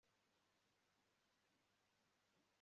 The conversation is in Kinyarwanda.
yeremiya ngo ahagere ahasanga ubuvumo bungana n'inzu